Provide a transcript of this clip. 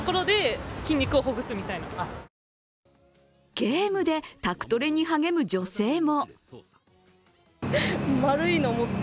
ゲームで宅トレに励む女性も。